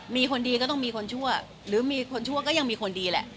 มีคนดีก็ต้องมีคนชั่วหรือมีคนชั่วก็ยังมีคนดีแหละ